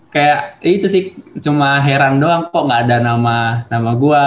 kayak itu sih cuma heran doang kok nggak ada nama nama gua